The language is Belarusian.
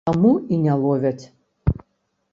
Таму і не ловяць!